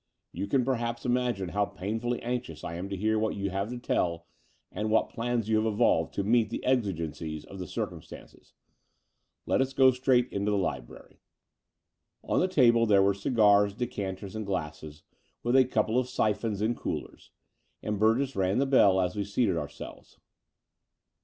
"You can perhaps imagine how painfully anxious I am to hear what you have to tell, and what plans you have evolved to meet the exigencies of the circumstances. Let us go straight into the Ubrary." On the table there were cigars, decanters, and glasses, with a couple of syphons in coolers; and Burgess rang the bdl, as we seated ourselves.